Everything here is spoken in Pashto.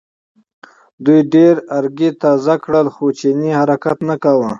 دوی ډېر ارګی تازه کړل خو چیني حرکت نه کاوه.